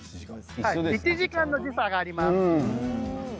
１時間の時差があります。